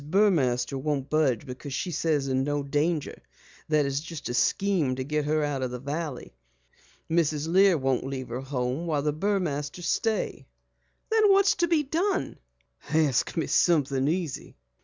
Burmaster won't budge because she says there's no danger that it's a scheme to get her out of the valley. Mrs. Lear won't leave her home while the Burmasters stay." "What's to be done?" "Ask me something easy."